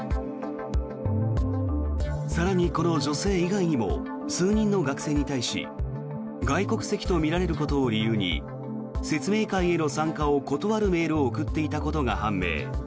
更に、この女性以外にも数人の学生に対し外国籍とみられることを理由に説明会への参加を断るメールを送っていたことが判明。